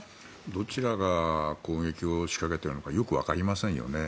どちらが攻撃を仕掛けているのかよくわかりませんよね。